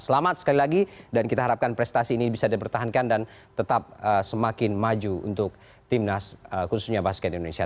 selamat sekali lagi dan kita harapkan prestasi ini bisa dipertahankan dan tetap semakin maju untuk timnas khususnya basket indonesia